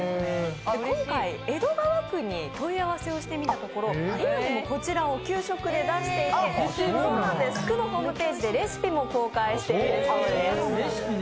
今回、江戸川区に問い合わせをしてみたところ今でもこちらを給食で出していて区のホームでレシピも紹介しているそうです。